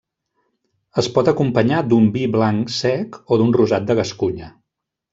Es pot acompanyar d'un vi blanc sec, o d'un rosat de Gascunya.